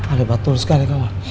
ada batul sekali kawan